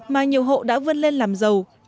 mà nhiều hộ đã vươn lên làm giàu